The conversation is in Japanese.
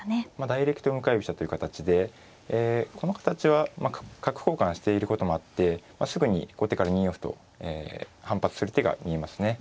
ダイレクト向かい飛車という形でこの形は角交換していることもあってすぐに後手から２四歩と反発する手が見えますね。